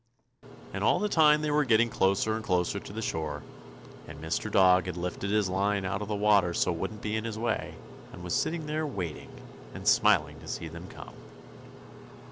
And all the time they were getting closer and closer to the shore, and Mr. Dog had lifted his line out of the water so it wouldn't be in his way, and was sitting there waiting, and smiling to see them come.